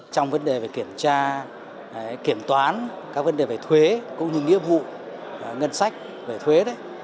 trong vấn đề về kiểm tra kiểm toán các vấn đề về thuế cũng như nghĩa vụ ngân sách về thuế